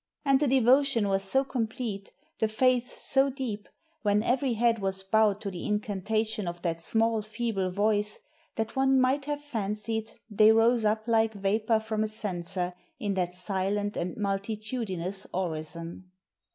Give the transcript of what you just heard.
And the devotion was so complete, the faith so deep, when every head was bowed to the incantation of that small feeble voice, that one might have fancied they rose up like vapor from a censer in that silent and multitudinous orison."